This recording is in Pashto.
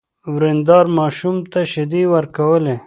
ورېندار ماشوم ته شيدې ورکولې.